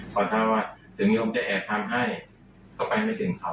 พอทราบว่าถึงยมจะแอบทำให้ก็ไปไม่ถึงเขา